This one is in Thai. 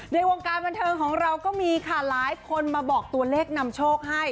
ในวงการบันเทิงของเราก็มีค่ะหลายคนมาบอกตัวเลขนำโชคให้